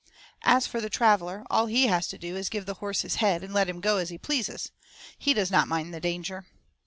As for the traveller, all he has to do is to give the horse his head and let him go as he pleases; he does not mind the danger.